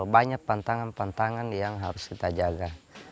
banyak pantangan pantangan yang harus kita jaga